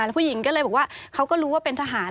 แล้วผู้หญิงก็เลยบอกว่าเขาก็รู้ว่าเป็นทหาร